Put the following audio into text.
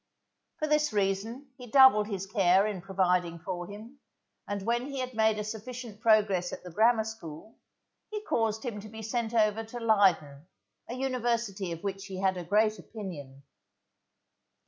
For this reason he doubled his care in providing for him, and when he had made a sufficient progress at the Grammar School, he caused him to be sent over to Leyden, a university of which he had a great opinion.